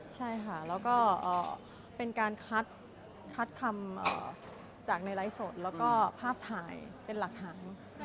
ใช่ค่ะแล้วก็เป็นการคัดคำจากในไลฟ์สดแล้วก็ภาพถ่ายเป็นหลักฐาน